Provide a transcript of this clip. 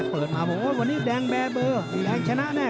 เปิดมาบอกว่าวันนี้แดงแบร์เบอร์แดงชนะแน่